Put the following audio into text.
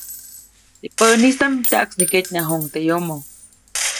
Teʼ päʼnistaʼm tyaʼksniketnyajuʼuŋ teʼ yomo.